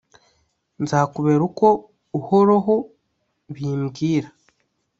Nzakubera uko uhoroho bimbwira